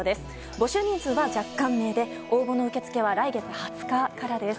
募集人数は若干名で応募の受け付けは来月２０日からです。